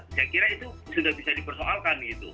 saya kira itu sudah bisa dipersoalkan gitu